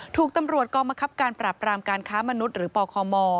ถูกตำรวจก็มะคับการปรับรามการค้ามนุษย์หรือปลอคอมอ